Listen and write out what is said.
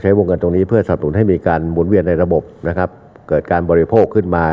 ใช้งกับตรงนี้เพื่อสัมสนุนให้มีการหมุนเวียนในระบบเกิดการบริโภคขึ้นมา